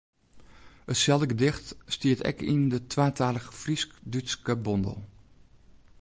Itselde gedicht stiet ek yn de twatalige Frysk-Dútske bondel.